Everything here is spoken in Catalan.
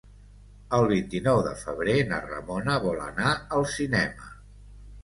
El vint-i-nou de febrer na Ramona vol anar al cinema.